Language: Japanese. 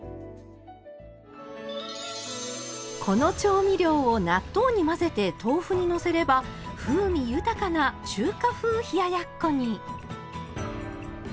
この調味料を納豆に混ぜて豆腐にのせれば風味豊かな中華風冷ややっこに。